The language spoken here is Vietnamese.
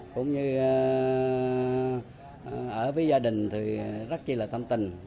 cũng như ở với gia đình thì rất là tâm tình